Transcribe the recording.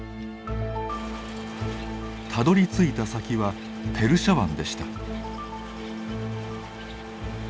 たどりついた先はペルシャ湾でした。